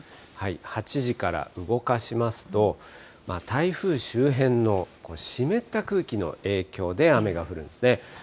８時から動かしますと、台風周辺の湿った空気の影響で雨が降るんですね。